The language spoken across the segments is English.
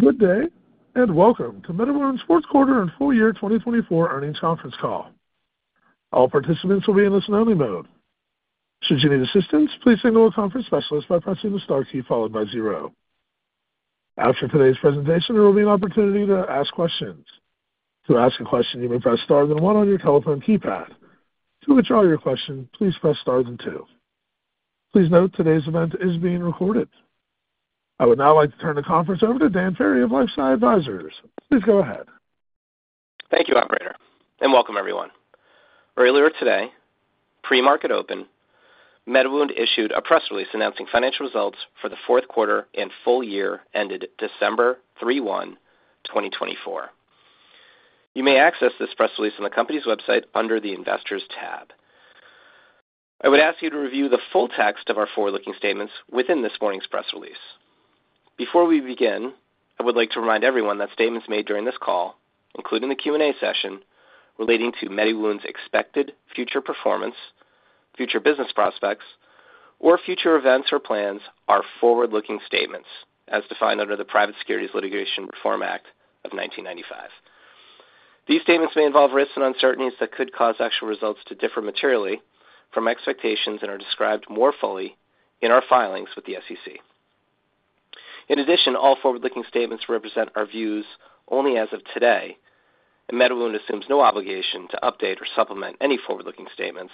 Good day and welcome to MediWound's fourth quarter and full year 2024 earnings conference call. All participants will be in a listen-only mode. Should you need assistance, please signal a conference specialist by pressing the star key followed by zero. After today's presentation, there will be an opportunity to ask questions. To ask a question, you may press star then one on your telephone keypad. To withdraw your question, please press star then two. Please note today's event is being recorded. I would now like to turn the conference over to Dan Ferry of LifeSci Advisors. Please go ahead. Thank you, Operator, and welcome everyone. Earlier today, pre-market open, MediWound issued a press release announcing financial results for the fourth quarter and full year ended December 31, 2024. You may access this press release on the company's website under the Investors tab. I would ask you to review the full text of our forward-looking statements within this morning's press release. Before we begin, I would like to remind everyone that statements made during this call, including the Q&A session relating to MediWound's expected future performance, future business prospects, or future events or plans, are forward-looking statements as defined under the Private Securities Litigation Reform Act of 1995. These statements may involve risks and uncertainties that could cause actual results to differ materially from expectations and are described more fully in our filings with the SEC. In addition, all forward-looking statements represent our views only as of today, and MediWound assumes no obligation to update or supplement any forward-looking statements,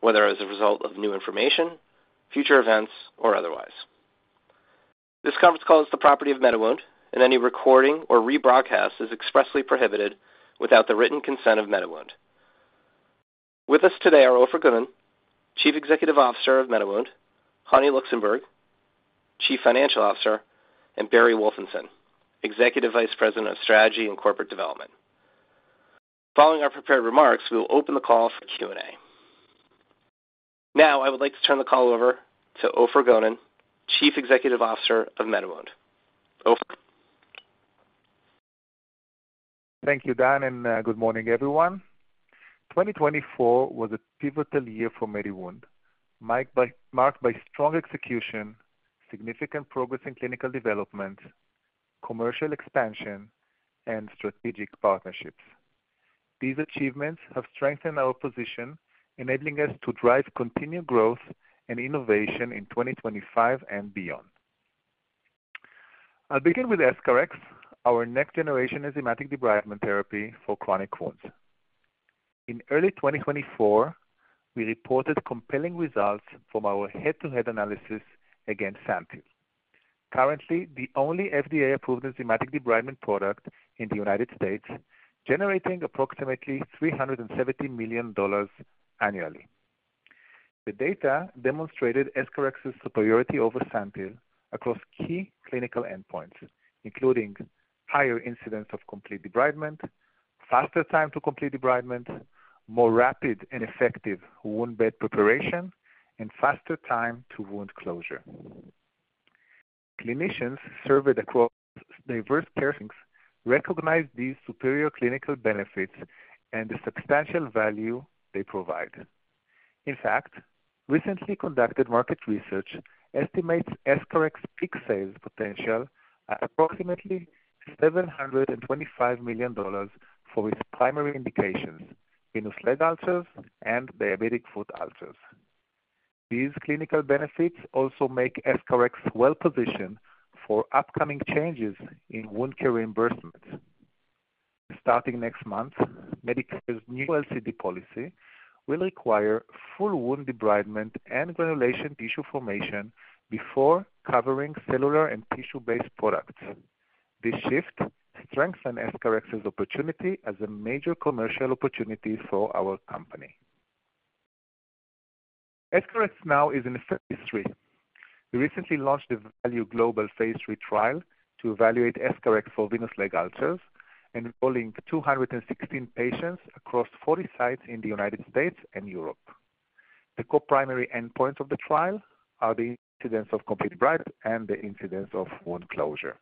whether as a result of new information, future events, or otherwise. This conference call is the property of MediWound, and any recording or rebroadcast is expressly prohibited without the written consent of MediWound. With us today are Ofer Gonen, Chief Executive Officer of MediWound; Hani Luxenburg, Chief Financial Officer; and Barry Wolfenson, Executive Vice President of Strategy and Corporate Development. Following our prepared remarks, we will open the call for Q&A. Now, I would like to turn the call over to Ofer Gonen, Chief Executive Officer of MediWound. Ofer. Thank you, Dan, and good morning, everyone. 2024 was a pivotal year for MediWound, marked by strong execution, significant progress in clinical development, commercial expansion, and strategic partnerships. These achievements have strengthened our position, enabling us to drive continued growth and innovation in 2025 and beyond. I'll begin with EscharEx, our next-generation enzymatic debridement therapy for chronic wounds. In early 2024, we reported compelling results from our head-to-head analysis against SANTYL, currently the only FDA-approved enzymatic debridement product in the United States, generating approximately $370 million annually. The data demonstrated EscharEx's superiority over SANTYL across key clinical endpoints, including higher incidence of complete debridement, faster time to complete debridement, more rapid and effective wound bed preparation, and faster time to wound closure. Clinicians surveyed across diverse care settings recognized these superior clinical benefits and the substantial value they provide. In fact, recently conducted market research estimates EscharEx's peak sales potential at approximately $725 million for its primary indications, venous leg ulcers and diabetic foot ulcers. These clinical benefits also make EscharEx well-positioned for upcoming changes in wound care reimbursement. Starting next month, Medicare's new LCD policy will require full wound debridement and granulation tissue formation before covering cellular and tissue-based products. This shift strengthens EscharEx's opportunity as a major commercial opportunity for our company. EscharEx now is in phase III. We recently launched the VALUE global phase III trial to evaluate EscharEx for venous leg ulcers, enrolling 216 patients across 40 sites in the United States and Europe. The co-primary endpoints of the trial are the incidence of complete debridement and the incidence of wound closure.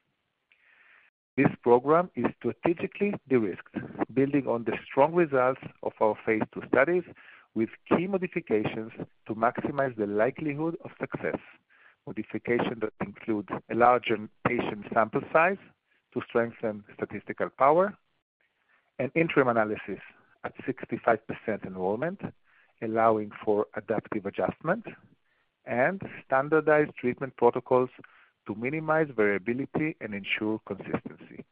This program is strategically de-risked, building on the strong results of our phase II studies with key modifications to maximize the likelihood of success. Modification that includes a larger patient sample size to strengthen statistical power, an interim analysis at 65% enrollment, allowing for adaptive adjustment, and standardized treatment protocols to minimize variability and ensure consistency.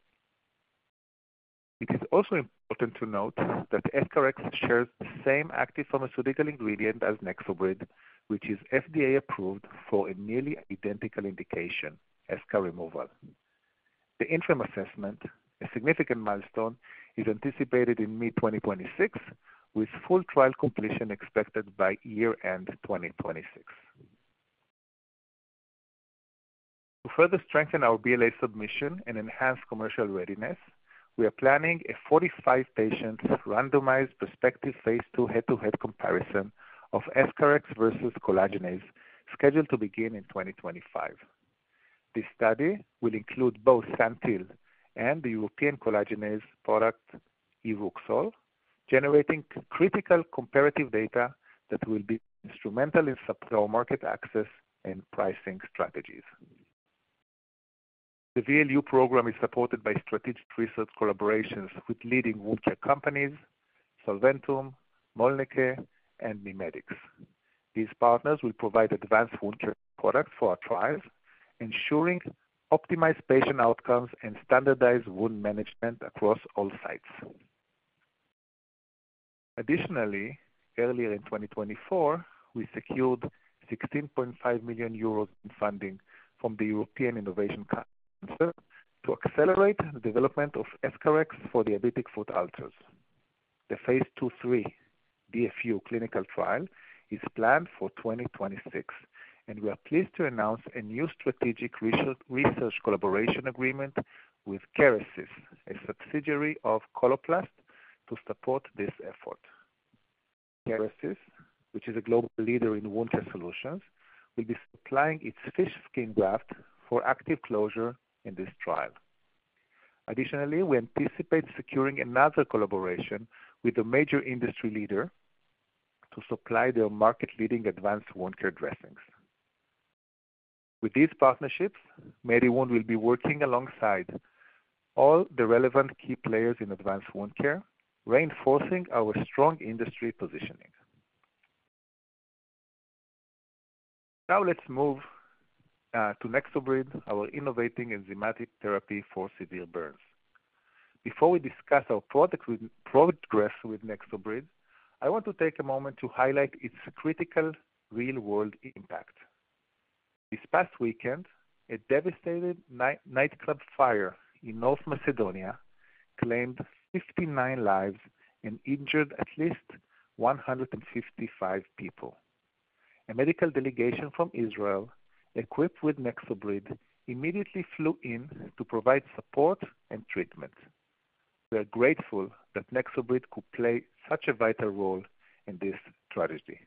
It is also important to note that EscharEx shares the same active pharmaceutical ingredient as NexoBrid, which is FDA-approved for a nearly identical indication, eschar removal. The interim assessment, a significant milestone, is anticipated in mid-2026, with full trial completion expected by year-end 2026. To further strengthen our BLA submission and enhance commercial readiness, we are planning a 45-patient randomized prospective phase II head-to-head comparison of EscharEx versus collagenase, scheduled to begin in 2025. This study will include both SANTYL and the European collagenase product, IRUXOL, generating critical comparative data that will be instrumental in supply market access and pricing strategies. The VLU program is supported by strategic research collaborations with leading wound care companies, Solventum, Mölnlycke, and MiMedx. These partners will provide advanced wound care products for our trials, ensuring optimized patient outcomes and standardized wound management across all sites. Additionally, earlier in 2024, we secured 16.5 million euros in funding from the European Innovation Council to accelerate the development of EscharEx for diabetic foot ulcers. The phase II-III DFU clinical trial is planned for 2026, and we are pleased to announce a new strategic research collaboration agreement with Kerecis, a subsidiary of Coloplast, to support this effort. Kerecis, which is a global leader in wound care solutions, will be supplying its fish skin graft for active closure in this trial. Additionally, we anticipate securing another collaboration with a major industry leader to supply their market-leading advanced wound care dressings. With these partnerships, MediWound will be working alongside all the relevant key players in advanced wound care, reinforcing our strong industry positioning. Now, let's move to NexoBrid, our innovating enzymatic therapy for severe burns. Before we discuss our progress with NexoBrid, I want to take a moment to highlight its critical real-world impact. This past weekend, a devastating nightclub fire in North Macedonia claimed 59 lives and injured at least 155 people. A medical delegation from Israel, equipped with NexoBrid, immediately flew in to provide support and treatment. We are grateful that NexoBrid could play such a vital role in this strategy.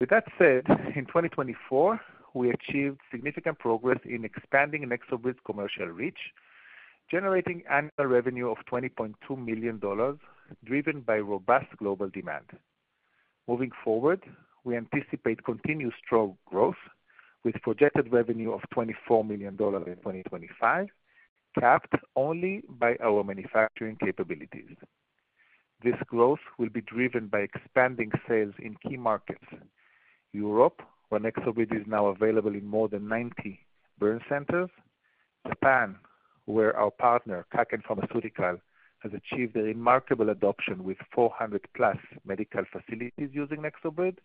With that said, in 2024, we achieved significant progress in expanding NexoBrid's commercial reach, generating annual revenue of $20.2 million, driven by robust global demand. Moving forward, we anticipate continued strong growth, with projected revenue of $24 million in 2025, capped only by our manufacturing capabilities. This growth will be driven by expanding sales in key markets: Europe, where NexoBrid is now available in more than 90 burn centers; Japan, where our partner, Kaken Pharmaceutical, has achieved a remarkable adoption with 400-plus medical facilities using NexoBrid;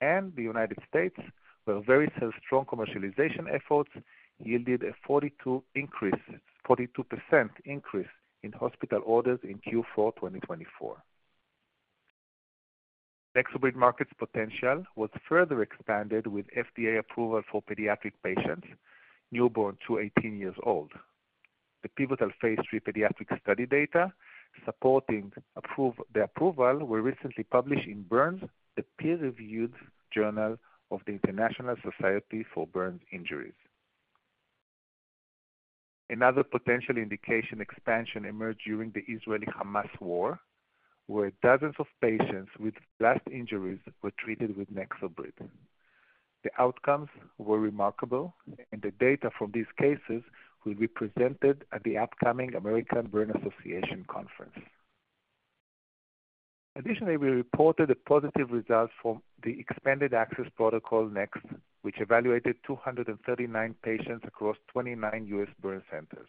and the United States, where very strong commercialization efforts yielded a 42% increase in hospital orders in Q4 2024. NexoBrid market's potential was further expanded with FDA approval for pediatric patients, newborns to 18 years old. The pivotal phase III pediatric study data supporting the approval were recently published in Burns, a peer-reviewed journal of the International Society for Burn Injuries. Another potential indication expansion emerged during the Israel-Hamas war, where dozens of patients with blast injuries were treated with NexoBrid. The outcomes were remarkable, and the data from these cases will be presented at the upcoming American Burn Association Conference. Additionally, we reported a positive result from the Expanded Access Protocol NEXT, which evaluated 239 patients across 29 U.S. burn centers.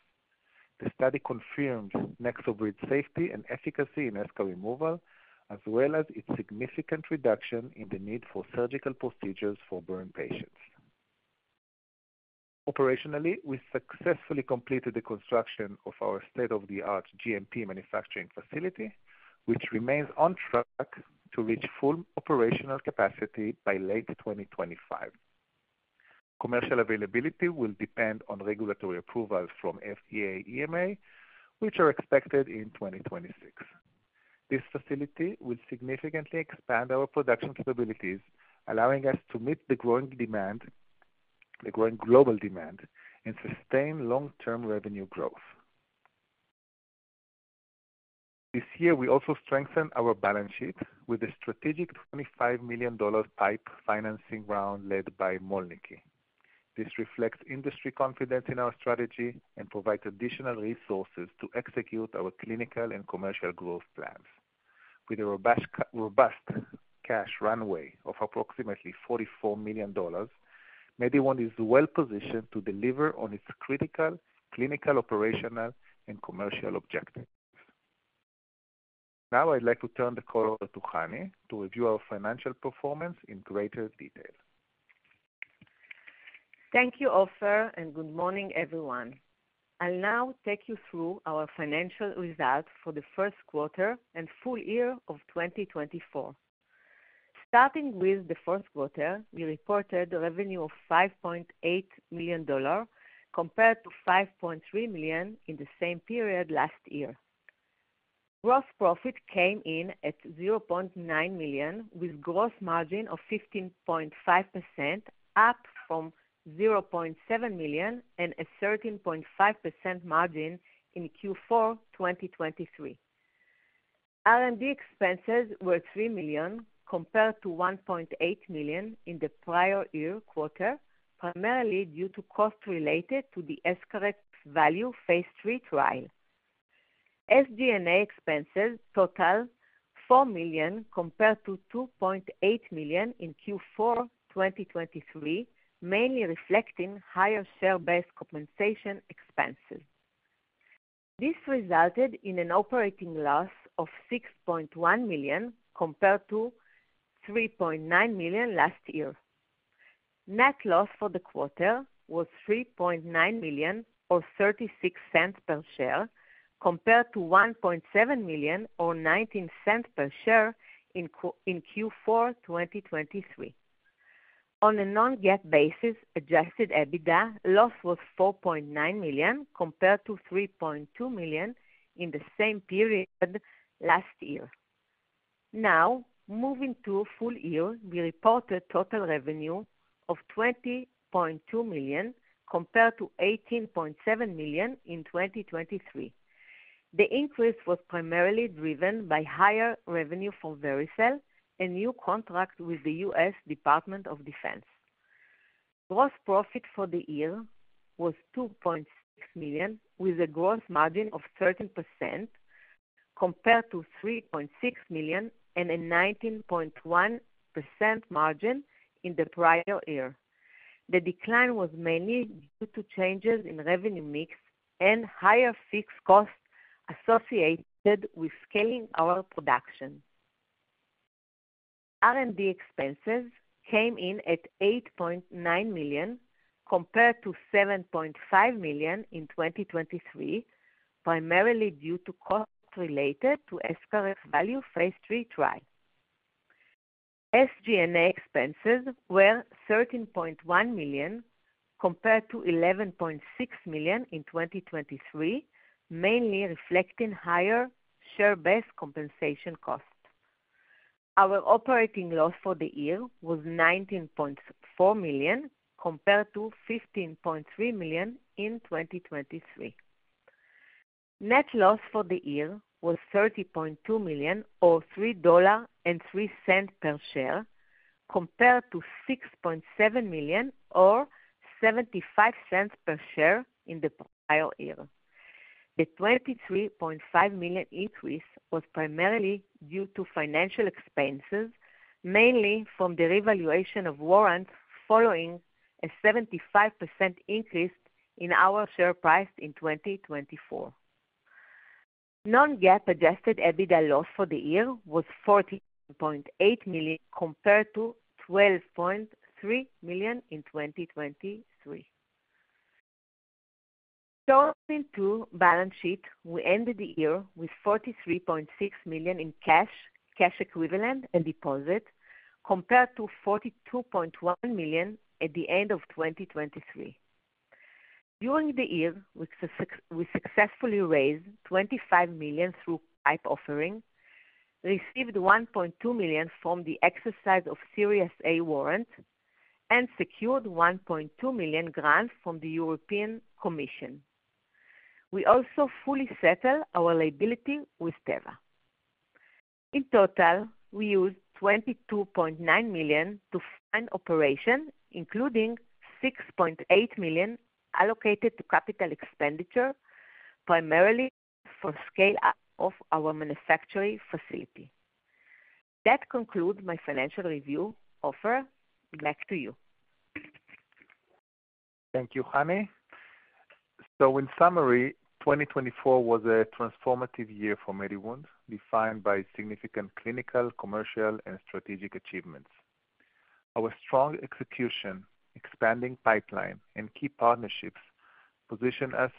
The study confirmed NexoBrid's safety and efficacy in scar removal, as well as its significant reduction in the need for surgical procedures for burn patients. Operationally, we successfully completed the construction of our state-of-the-art GMP manufacturing facility, which remains on track to reach full operational capacity by late 2025. Commercial availability will depend on regulatory approvals from FDA and EMA, which are expected in 2026. This facility will significantly expand our production capabilities, allowing us to meet the growing global demand and sustain long-term revenue growth. This year, we also strengthened our balance sheet with a strategic $25 million PIPE financing round led by Mölnlycke. This reflects industry confidence in our strategy and provides additional resources to execute our clinical and commercial growth plans. With a robust cash runway of approximately $44 million, MediWound is well-positioned to deliver on its critical clinical, operational, and commercial objectives. Now, I'd like to turn the call over to Hani to review our financial performance in greater detail. Thank you, Ofer, and good morning, everyone. I'll now take you through our financial results for the first quarter and full year of 2024. Starting with the fourth quarter, we reported a revenue of $5.8 million compared to $5.3 million in the same period last year. Gross profit came in at $0.9 million, with a gross margin of 15.5%, up from $0.7 million and a 13.5% margin in Q4 2023. R&D expenses were $3 million compared to $1.8 million in the prior year quarter, primarily due to costs related to the EscharEx VALUE phase III trial. SG&A expenses totaled $4 million compared to $2.8 million in Q4 2023, mainly reflecting higher share-based compensation expenses. This resulted in an operating loss of $6.1 million compared to $3.9 million last year. Net loss for the quarter was $3.9 million, or $0.36 per share, compared to $1.7 million, or $0.19 per share in Q4 2023. On a non-GAAP basis, adjusted EBITDA loss was $4.9 million compared to $3.2 million in the same period last year. Now, moving to full year, we reported total revenue of $20.2 million compared to $18.7 million in 2023. The increase was primarily driven by higher revenue from Vericel, a new contract with the U.S. Department of Defense. Gross profit for the year was $2.6 million, with a gross margin of 13%, compared to $3.6 million and a 19.1% margin in the prior year. The decline was mainly due to changes in revenue mix and higher fixed costs associated with scaling our production. R&D expenses came in at $8.9 million, compared to $7.5 million in 2023, primarily due to costs related to EscharEx VALUE phase III trial. SG&A expenses were $13.1 million, compared to $11.6 million in 2023, mainly reflecting higher share-based compensation costs. Our operating loss for the year was $19.4 million, compared to $15.3 million in 2023. Net loss for the year was $30.2 million, or $3.03 per share, compared to $6.7 million, or $0.75 per share in the prior year. The $23.5 million increase was primarily due to financial expenses, mainly from the revaluation of warrants following a 75% increase in our share price in 2024. Non-GAAP adjusted EBITDA loss for the year was $14.8 million, compared to $12.3 million in 2023. Turning to balance sheet, we ended the year with $43.6 million in cash, cash equivalent, and deposit, compared to $42.1 million at the end of 2023. During the year, we successfully raised $25 million through PIPE offering, received $1.2 million from the exercise of Series A warrants, and secured 1.2 million grants from the European Commission. We also fully settled our liability with Teva. In total, we used $22.9 million to fund operations, including $6.8 million allocated to capital expenditure, primarily for scale-up of our manufacturing facility. That concludes my financial review, Ofer. Back to you. Thank you, Hani. In summary, 2024 was a transformative year for MediWound, defined by significant clinical, commercial, and strategic achievements. Our strong execution, expanding pipeline, and key partnerships position us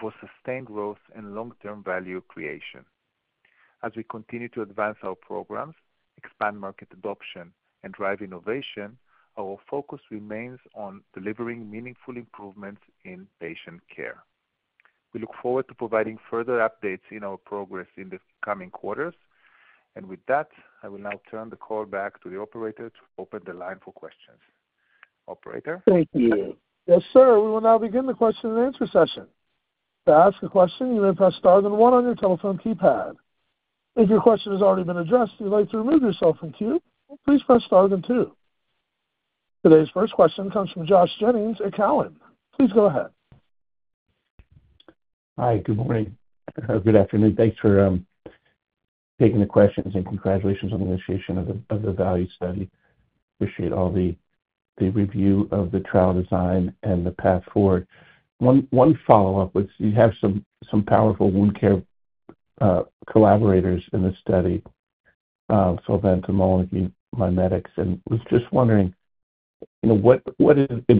for sustained growth and long-term value creation. As we continue to advance our programs, expand market adoption, and drive innovation, our focus remains on delivering meaningful improvements in patient care. We look forward to providing further updates on our progress in the coming quarters. I will now turn the call back to the operator to open the line for questions. Operator. Thank you. Yes, sir. We will now begin the question-and-answer session. To ask a question, you may press star one on your telephone keypad. If your question has already been addressed and you'd like to remove yourself from queue, please press star two. Today's first question comes from Josh Jennings at Cowen. Please go ahead. Hi. Good morning. Good afternoon. Thanks for taking the questions and congratulations on the initiation of the VALUE study. Appreciate all the review of the trial design and the path forward. One follow-up was you have some powerful wound care collaborators in the study, Solventum and Mölnlycke, MiMedx. Was just wondering,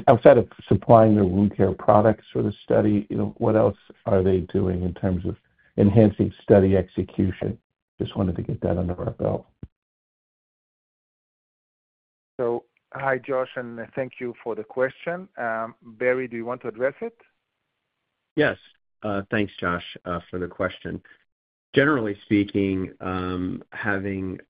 outside of supplying their wound care products for the study, what else are they doing in terms of enhancing study execution? Just wanted to get that under our belt. Hi, Josh, and thank you for the question. Barry, do you want to address it? Yes. Thanks, Josh, for the question. Generally speaking, having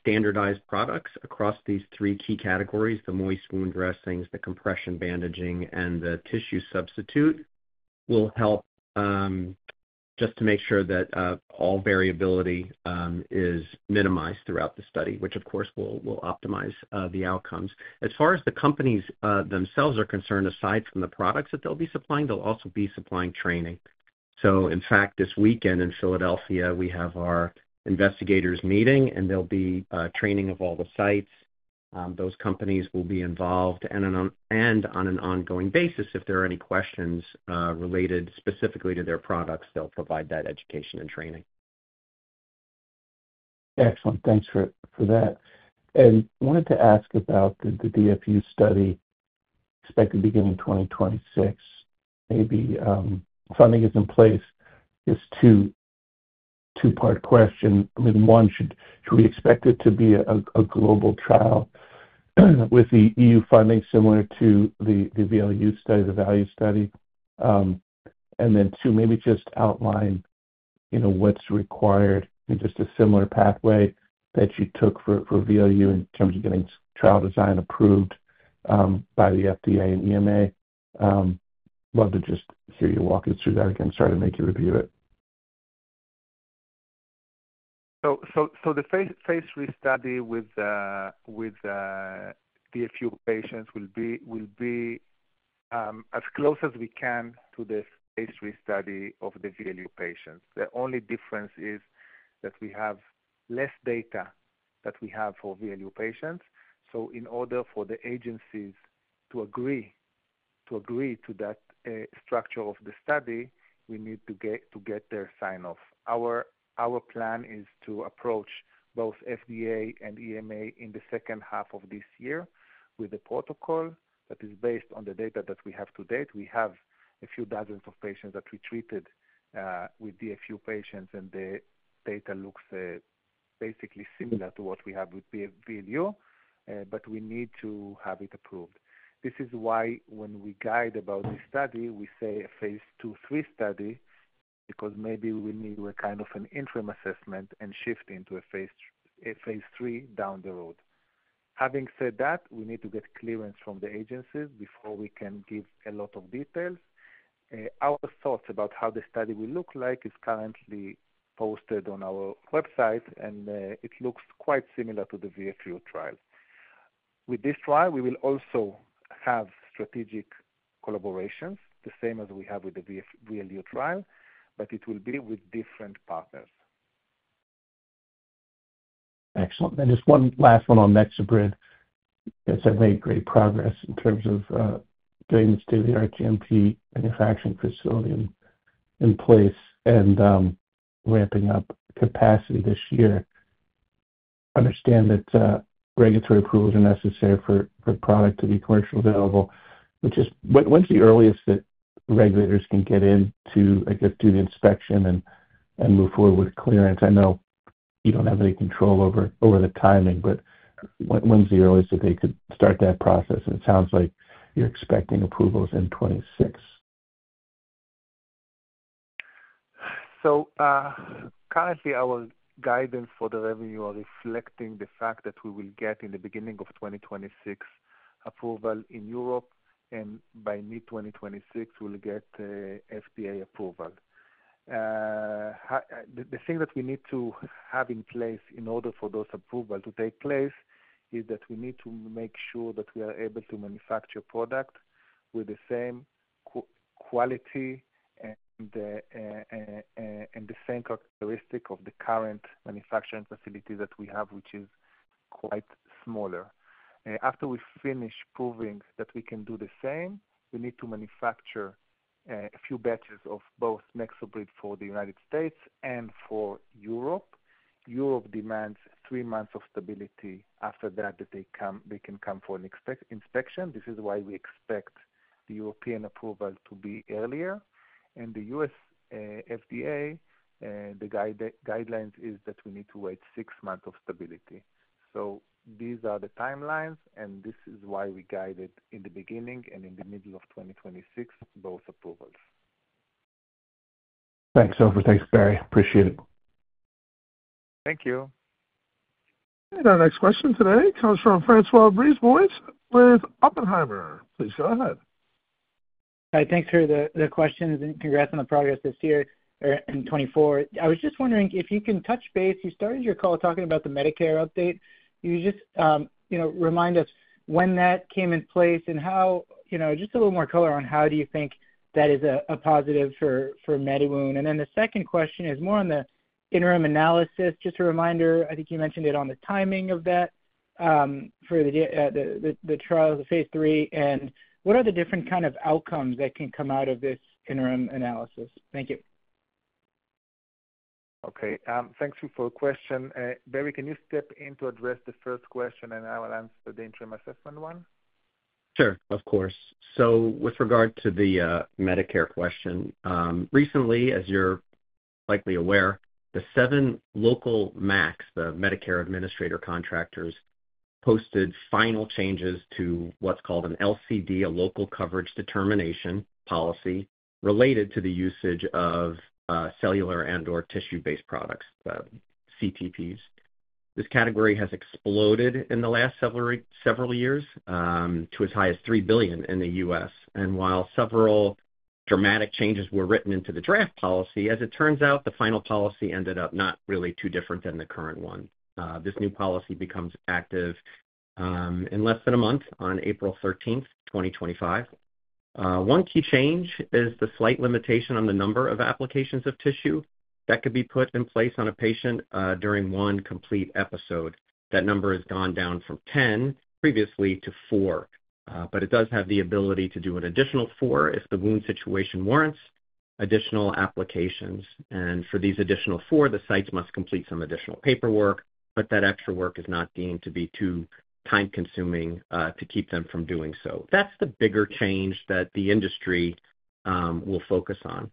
standardized products across these three key categories—the moist wound dressings, the compression bandaging, and the tissue substitute—will help just to make sure that all variability is minimized throughout the study, which, of course, will optimize the outcomes. As far as the companies themselves are concerned, aside from the products that they'll be supplying, they'll also be supplying training. In fact, this weekend in Philadelphia, we have our investigators meeting, and there'll be training of all the sites. Those companies will be involved, and on an ongoing basis, if there are any questions related specifically to their products, they'll provide that education and training. Excellent. Thanks for that. Wanted to ask about the DFU study, expected to begin in 2026. Maybe funding is in place. Just two-part question. One, should we expect it to be a global trial with the EU funding similar to the VLU study, the value study? Two, maybe just outline what's required in just a similar pathway that you took for VLU in terms of getting trial design approved by the FDA and EMA. Love to just hear you walk us through that again, starting to make you review it. The phase III study with the DFU patients will be as close as we can to the phase III study of the VLU patients. The only difference is that we have less data than we have for VLU patients. In order for the agencies to agree to that structure of the study, we need to get their sign-off. Our plan is to approach both FDA and EMA in the second half of this year with a protocol that is based on the data that we have to date. We have a few dozens of patients that we treated with the few patients, and the data looks basically similar to what we have with VLU, but we need to have it approved. This is why when we guide about the study, we say a phase II/III study because maybe we need a kind of an interim assessment and shift into a phase III down the road. Having said that, we need to get clearance from the agencies before we can give a lot of details. Our thoughts about how the study will look like is currently posted on our website, and it looks quite similar to the VLU trial. With this trial, we will also have strategic collaborations, the same as we have with the VLU trial, but it will be with different partners. Excellent. Just one last one on NexoBrid. It's a great progress in terms of getting the state-of-the-art GMP manufacturing facility in place and ramping up capacity this year. I understand that regulatory approvals are necessary for product to be commercially available. When's the earliest that regulators can get in to, I guess, do the inspection and move forward with clearance? I know you don't have any control over the timing, but when's the earliest that they could start that process? It sounds like you're expecting approvals in 2026. Currently, our guidance for the revenue are reflecting the fact that we will get in the beginning of 2026 approval in Europe, and by mid-2026, we'll get FDA approval. The thing that we need to have in place in order for those approvals to take place is that we need to make sure that we are able to manufacture product with the same quality and the same characteristic of the current manufacturing facility that we have, which is quite smaller. After we finish proving that we can do the same, we need to manufacture a few batches of both NexoBrid for the United States and for Europe. Europe demands three months of stability after that that they can come for an inspection. This is why we expect the European approval to be earlier. The U.S. FDA, the guideline is that we need to wait six months of stability. These are the timelines, and this is why we guided in the beginning and in the middle of 2026 both approvals. Thanks, Ofer. Thanks, Barry. Appreciate it. Thank you. Our next question today comes from Francois Brisebois with Oppenheimer. Please go ahead. Hi. Thanks for the questions, and congrats on the progress this year in 2024. I was just wondering if you can touch base. You started your call talking about the Medicare update. Can you just remind us when that came in place and just a little more color on how do you think that is a positive for MediWound? The second question is more on the interim analysis. Just a reminder, I think you mentioned it on the timing of that for the trials, the phase III. What are the different kind of outcomes that can come out of this interim analysis? Thank you. Okay. Thanks for the question. Barry, can you step in to address the first question, and I will answer the interim assessment one? Sure. Of course. With regard to the Medicare question, recently, as you're likely aware, the seven local MACs, the Medicare Administrative Contractors, posted final changes to what's called an LCD, a Local Coverage Determination policy, related to the usage of cellular and/or tissue-based products, CTPs. This category has exploded in the last several years to as high as $3 billion in the U.S. While several dramatic changes were written into the draft policy, as it turns out, the final policy ended up not really too different than the current one. This new policy becomes active in less than a month on April 13, 2025. One key change is the slight limitation on the number of applications of tissue that could be put in place on a patient during one complete episode. That number has gone down from 10 previously to four, but it does have the ability to do an additional four if the wound situation warrants additional applications. For these additional four, the sites must complete some additional paperwork, but that extra work is not deemed to be too time-consuming to keep them from doing so. That is the bigger change that the industry will focus on.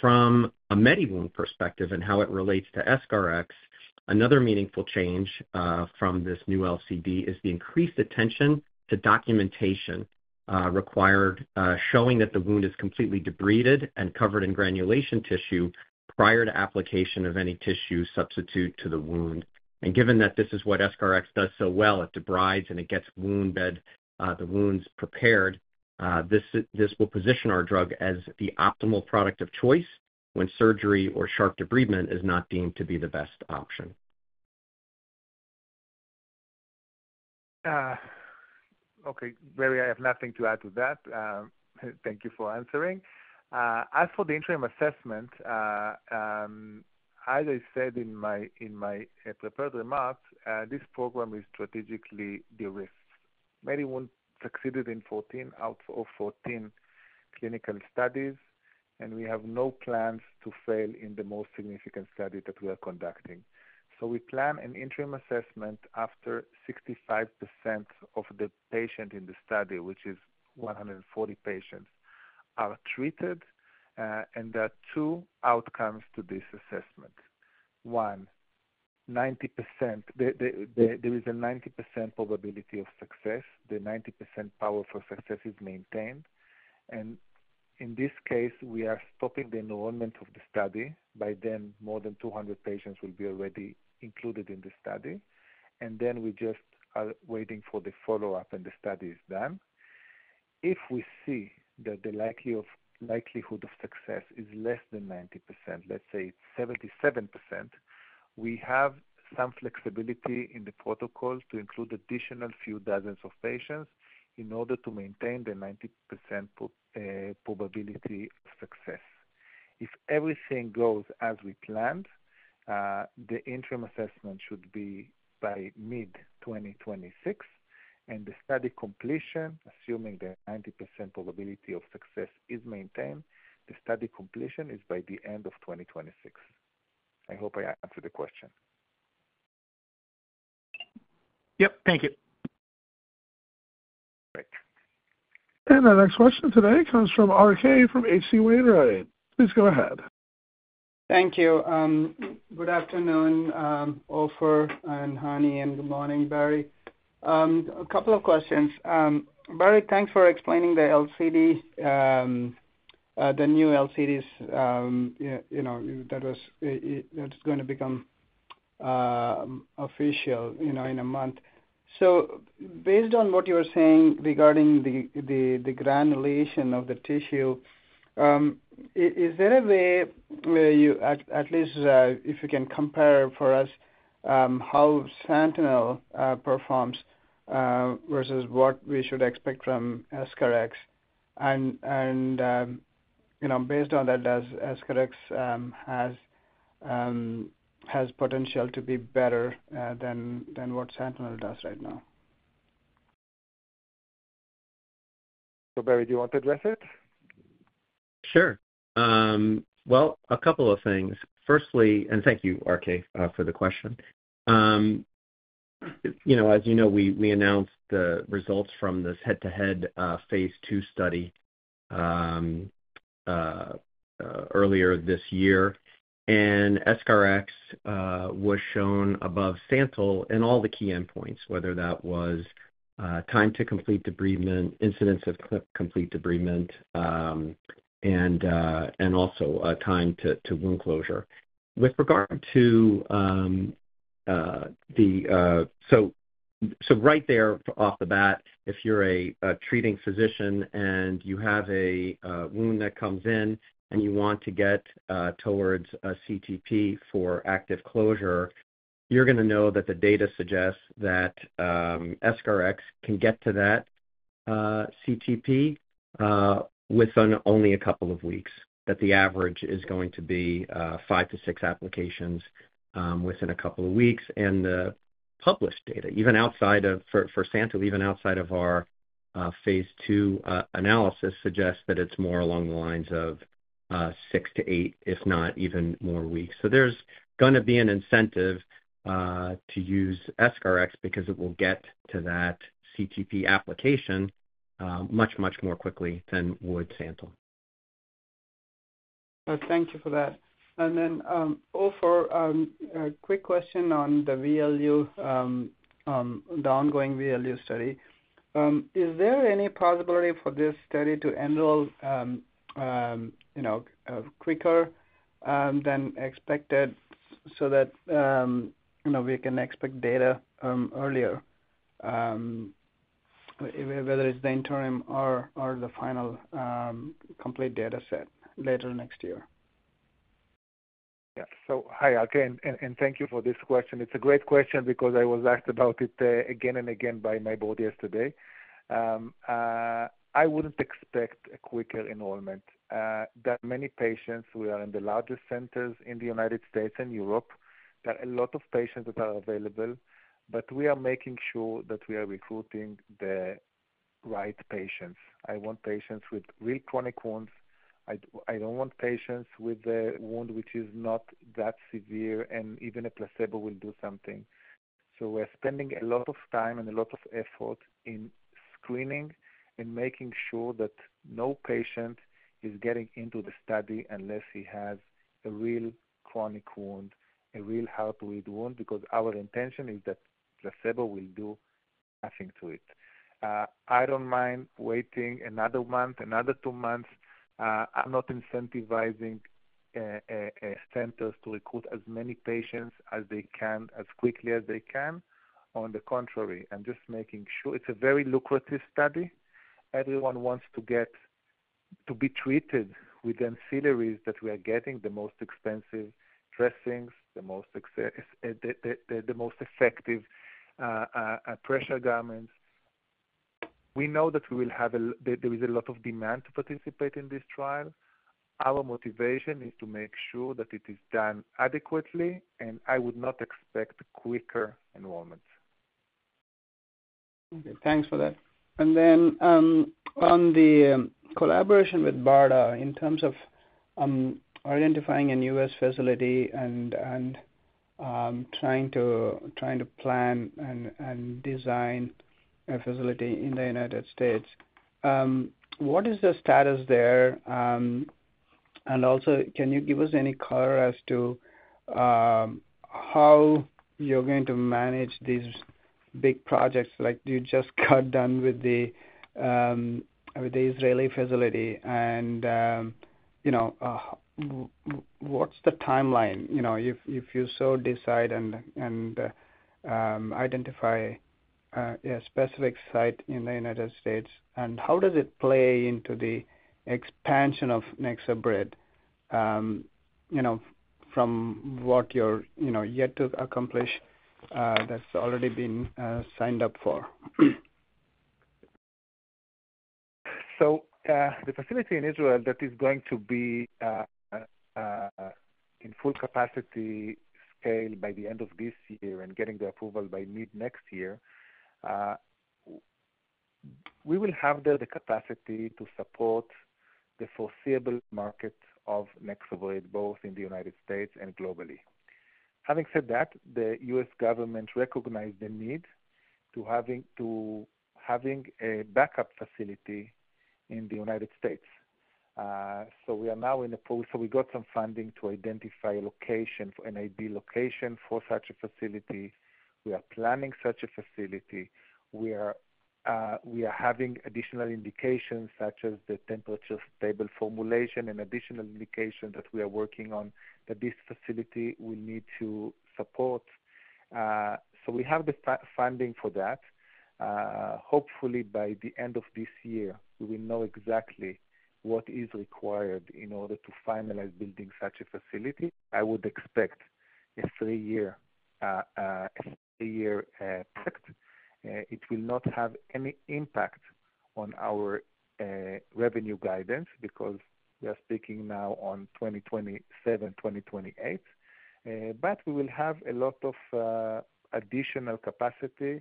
From a MediWound perspective and how it relates to EscharEx, another meaningful change from this new LCD is the increased attention to documentation required showing that the wound is completely debrided and covered in granulation tissue prior to application of any tissue substitute to the wound. Given that this is what EscharEx does so well, it debrides and it gets the wounds prepared. This will position our drug as the optimal product of choice when surgery or sharp debridement is not deemed to be the best option. Okay. Barry, I have nothing to add to that. Thank you for answering. As for the interim assessment, as I said in my prepared remarks, this program is strategically de-risked. MediWound succeeded in 14 out of 14 clinical studies, and we have no plans to fail in the most significant study that we are conducting. We plan an interim assessment after 65% of the patients in the study, which is 140 patients, are treated, and there are two outcomes to this assessment. One, 90%. There is a 90% probability of success. The 90% power for success is maintained. In this case, we are stopping the enrollment of the study. By then more than 200 patients will be already included in the study. We just are waiting for the follow-up and the study is done. If we see that the likelihood of success is less than 90%, let's say it's 77%, we have some flexibility in the protocol to include additional few dozens of patients in order to maintain the 90% probability of success. If everything goes as we planned, the interim assessment should be by mid-2026. The study completion, assuming the 90% probability of success is maintained, the study completion is by the end of 2026. I hope I answered the question. Yep. Thank you. Great. Our next question today comes from RK from H.C. Wainwright. Please go ahead. Thank you. Good afternoon, Ofer and Hani, and good morning, Barry. A couple of questions. Barry, thanks for explaining the new LCDs that are going to become official in a month. Based on what you were saying regarding the granulation of the tissue, is there a way where you at least, if you can compare for us how SANTYL performs versus what we should expect from EscharEx? Based on that, does EscharEx have potential to be better than what SANTYL does right now? Barry, do you want to address it? Sure. A couple of things. Firstly, and thank you, RK, for the question. As you know, we announced the results from this head-to-head phase II study earlier this year. And EscharEx was shown above SANTYL in all the key endpoints, whether that was time to complete debridement, incidence of complete debridement, and also time to wound closure. With regard to the so right there off the bat, if you're a treating physician and you have a wound that comes in and you want to get towards a CTP for active closure, you're going to know that the data suggests that EscharEx can get to that CTP within only a couple of weeks, that the average is going to be five to six applications within a couple of weeks. The published data, even outside of for SANTYL, even outside of our phase II analysis, suggests that it's more along the lines of six to eight, if not even more, weeks. There is going to be an incentive to use EscharEx because it will get to that CTP application much, much more quickly than would SANTYL. Thank you for that. Ofer, a quick question on the VLU, the ongoing VLU study. Is there any possibility for this study to enroll quicker than expected so that we can expect data earlier, whether it's the interim or the final complete data set later next year? Yeah. Hi, RK, and thank you for this question. It's a great question because I was asked about it again and again by my board yesterday. I wouldn't expect a quicker enrollment. There are many patients. We are in the largest centers in the United States and Europe. There are a lot of patients that are available, but we are making sure that we are recruiting the right patients. I want patients with real chronic wounds. I don't want patients with a wound which is not that severe, and even a placebo will do something. We are spending a lot of time and a lot of effort in screening and making sure that no patient is getting into the study unless he has a real chronic wound, a real hard-to-treat wound, because our intention is that placebo will do nothing to it. I don't mind waiting another month, another two months. I'm not incentivizing centers to recruit as many patients as they can, as quickly as they can. On the contrary, I'm just making sure it's a very lucrative study. Everyone wants to be treated with the ancillaries that we are getting, the most expensive dressings, the most effective pressure garments. We know that there is a lot of demand to participate in this trial. Our motivation is to make sure that it is done adequately, and I would not expect quicker enrollment. Okay. Thanks for that. On the collaboration with BARDA, in terms of identifying a new U.S. facility and trying to plan and design a facility in the United States, what is the status there? Also, can you give us any color as to how you're going to manage these big projects? Like, you just got done with the Israeli facility, and what's the timeline if you so decide and identify a specific site in the United States? How does it play into the expansion of NexoBrid from what you're yet to accomplish that's already been signed up for? The facility in Israel that is going to be in full capacity scale by the end of this year and getting the approval by mid-next year, we will have the capacity to support the foreseeable market of NexoBrid, both in the United States and globally. Having said that, the U.S. government recognized the need to having a backup facility in the United States. We got some funding to identify a location, an ideal location for such a facility. We are planning such a facility. We are having additional indications such as the temperature stable formulation and additional indications that we are working on that this facility will need to support. We have the funding for that. Hopefully, by the end of this year, we will know exactly what is required in order to finalize building such a facility. I would expect a three-year project. It will not have any impact on our revenue guidance because we are speaking now on 2027, 2028. We will have a lot of additional capacity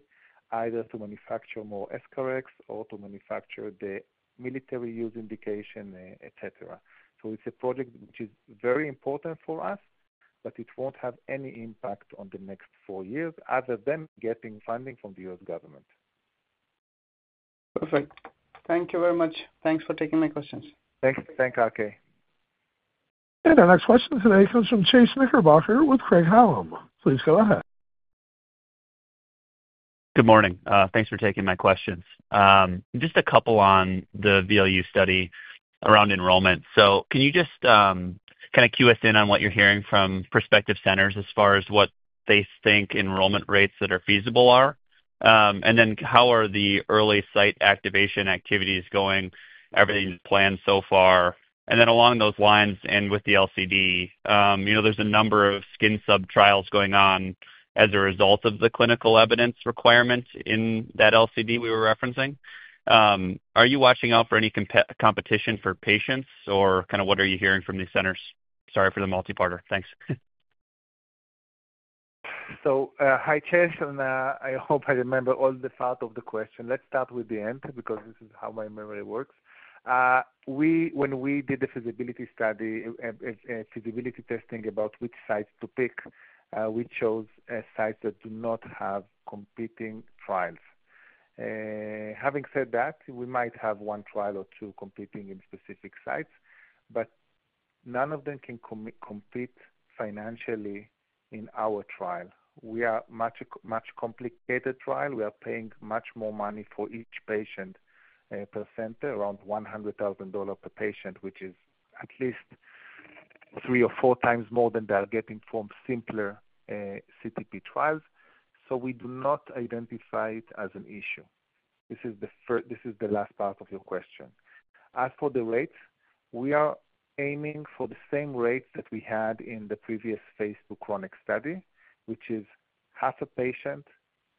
either to manufacture more EscharEx or to manufacture the military use indication, etc. It is a project which is very important for us, but it won't have any impact on the next four years other than getting funding from the U.S. government. Perfect. Thank you very much. Thanks for taking my questions. Thanks. Thanks, RK. Our next question today comes from Chase Knickerbocker with Craig-Hallum. Please go ahead. Good morning. Thanks for taking my questions. Just a couple on the VLU study around enrollment. Can you just kind of cue us in on what you're hearing from prospective centers as far as what they think enrollment rates that are feasible are? How are the early site activation activities going? Everything's planned so far. Along those lines and with the LCD, there's a number of skin sub trials going on as a result of the clinical evidence requirement in that LCD we were referencing. Are you watching out for any competition for patients or kind of what are you hearing from these centers? Sorry for the multi-parter. Thanks. Hi, Chase. I hope I remember all the thought of the question. Let's start with the end because this is how my memory works. When we did the feasibility study, feasibility testing about which sites to pick, we chose sites that do not have competing trials. Having said that, we might have one trial or two competing in specific sites, but none of them can compete financially in our trial. We are a much complicated trial. We are paying much more money for each patient per center, around $100,000 per patient, which is at least three or four times more than they are getting from simpler CTP trials. We do not identify it as an issue. This is the last part of your question. As for the rates, we are aiming for the same rates that we had in the previous phase II chronic study, which is half a patient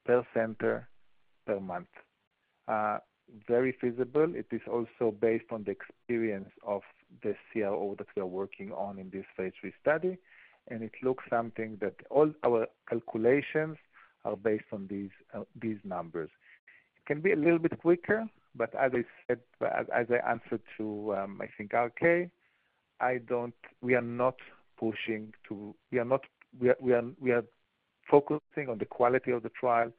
per center per month. Very feasible. It is also based on the experience of the CRO that we are working on in this phase III study. It looks like all our calculations are based on these numbers. It can be a little bit quicker, but as I said, as I answered to, I think, RK, we are not pushing to we are focusing on the quality of the trial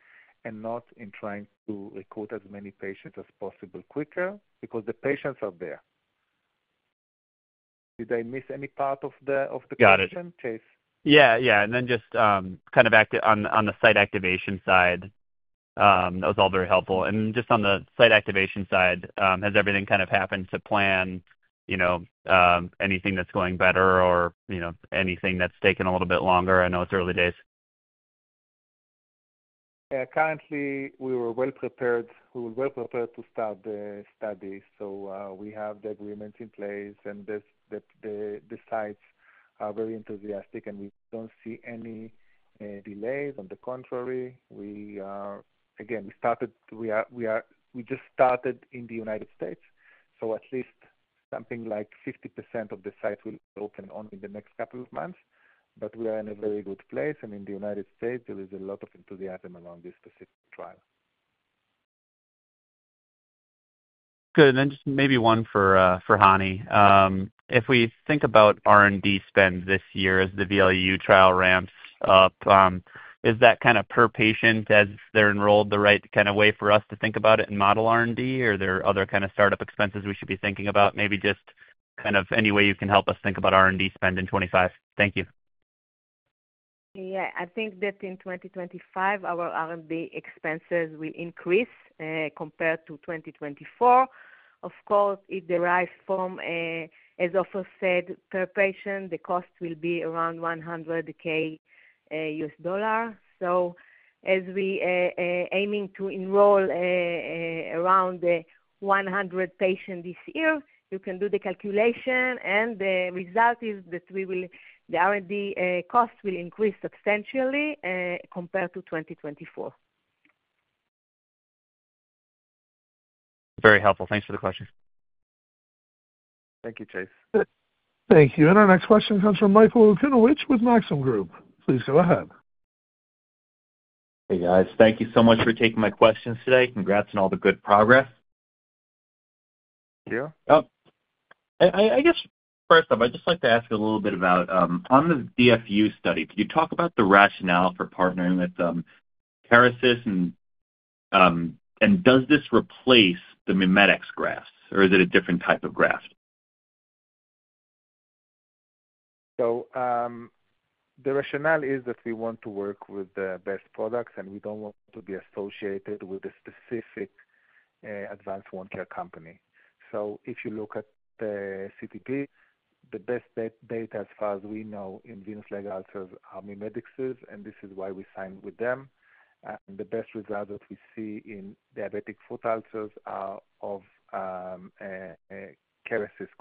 and not in trying to recruit as many patients as possible quicker because the patients are there. Did I miss any part of the question, Chase? Yeah. Yeah. Just kind of on the site activation side, that was all very helpful. Just on the site activation side, has everything kind of happened to plan, anything that's going better or anything that's taken a little bit longer? I know it's early days. Currently, we were well prepared. We were well prepared to start the study. We have the agreements in place, and the sites are very enthusiastic, and we do not see any delays. On the contrary, again, we just started in the United States. At least something like 50% of the sites will open only in the next couple of months. We are in a very good place. In the United States, there is a lot of enthusiasm around this specific trial. Good. Maybe one for Hani. If we think about R&D spend this year as the VLU trial ramps up, is that kind of per patient as they're enrolled the right kind of way for us to think about it and model R&D? Are there other kind of startup expenses we should be thinking about? Maybe just kind of any way you can help us think about R&D spend in 2025. Thank you. Yeah. I think that in 2025, our R&D expenses will increase compared to 2024. Of course, it derives from, as Ofer said, per patient, the cost will be around $100,000. As we are aiming to enroll around 100 patients this year, you can do the calculation, and the result is that the R&D cost will increase substantially compared to 2024. Very helpful. Thanks for the question. Thank you, Chase. Thank you. Our next question comes from Michael Okunewitch with Maxim Group. Please go ahead. Hey, guys. Thank you so much for taking my questions today. Congrats on all the good progress. Thank you. Oh. I guess, first off, I'd just like to ask a little bit about on the DFU study, could you talk about the rationale for partnering with Kerecis? And does this replace the MiMedx grafts, or is it a different type of graft? The rationale is that we want to work with the best products, and we don't want to be associated with a specific advanced wound care company. If you look at the CTP, the best data as far as we know in venous leg ulcers are MiMedx's, and this is why we signed with them. The best results that we see in diabetic foot ulcers are of Kerecis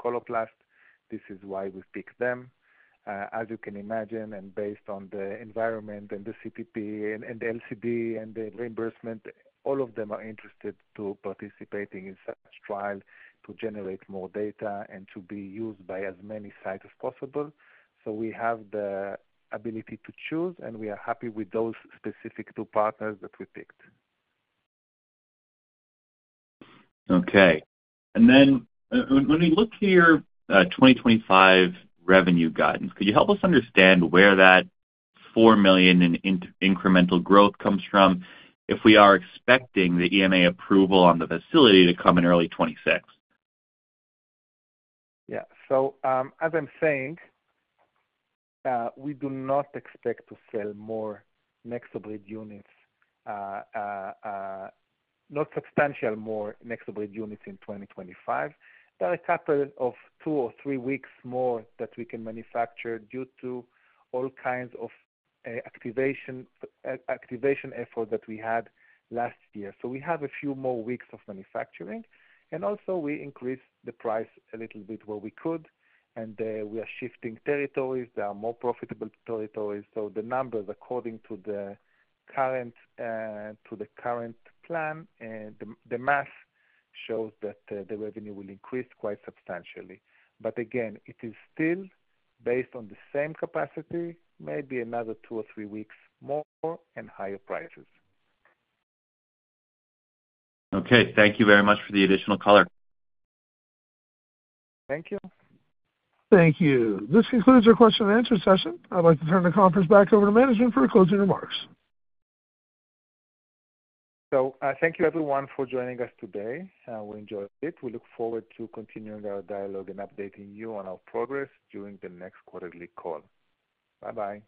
Coloplast. This is why we picked them. As you can imagine, and based on the environment and the CTP and the LCD and the reimbursement, all of them are interested in participating in such trials to generate more data and to be used by as many sites as possible. We have the ability to choose, and we are happy with those specific two partners that we picked. Okay. When we look to your 2025 revenue guidance, could you help us understand where that $4 million in incremental growth comes from if we are expecting the EMA approval on the facility to come in early 2026? Yeah. As I'm saying, we do not expect to sell more NexoBrid units, not substantially more NexoBrid units in 2025. There are a couple of two or three weeks more that we can manufacture due to all kinds of activation efforts that we had last year. We have a few more weeks of manufacturing. Also, we increased the price a little bit where we could, and we are shifting territories. There are more profitable territories. The numbers, according to the current plan, the math shows that the revenue will increase quite substantially. Again, it is still based on the same capacity, maybe another two or three weeks more and higher prices. Okay. Thank you very much for the additional color. Thank you. Thank you. This concludes our question-and-answer session. I'd like to turn the conference back over to management for closing remarks. Thank you, everyone, for joining us today. We enjoyed it. We look forward to continuing our dialogue and updating you on our progress during the next quarterly call. Bye-bye.